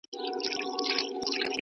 ښه اخلاق ښکلا ده